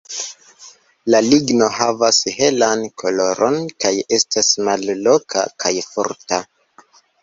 La ligno havas helan koloron, kaj estas malmola kaj forta.